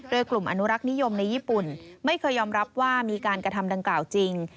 โดยกลุ่มอนุรักษ์นิยมในญี่ปุ่นไม่เคยยอมรับว่ามีการกระทำดังกล่าวจริง